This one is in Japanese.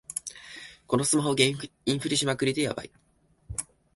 このスマホゲー、インフレしまくりでヤバい